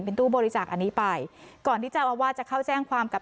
ตู้บริจาคอันนี้ไปก่อนที่เจ้าอาวาสจะเข้าแจ้งความกับ